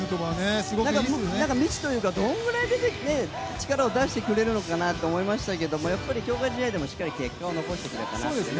未知というかどれぐらい出てきて力を出してくれるのかと思いましたけどやっぱり強化試合でもしっかり結果を残してくれましたね。